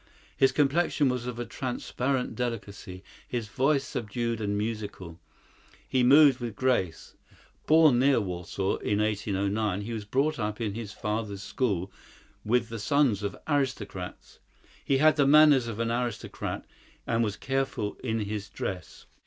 His complexion was of transparent delicacy; his voice subdued and musical. He moved with grace. Born near Warsaw, in 1809, he was brought up in his father's school with the sons of aristocrats. He had the manners of an aristocrat, and was careful in his dress.